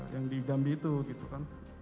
yang di jambi itu gitu kan